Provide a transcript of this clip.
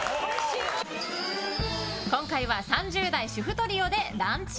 今回は３０代主婦トリオでランチ。